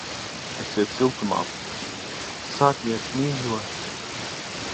Esiet siltumā. Sargiet mīļos!